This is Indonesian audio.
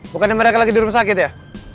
bukannya mereka lagi di rumah sakit ya